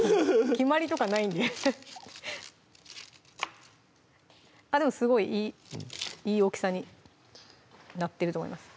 決まりとかないんであっでもすごいいいいい大きさになってると思います